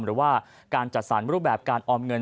หรือว่าการจัดสรรรูปแบบการออมเงิน